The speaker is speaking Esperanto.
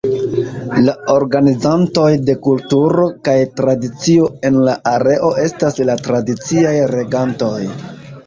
La organizantoj de kulturo kaj tradicio en la areo estas la tradiciaj regantoj.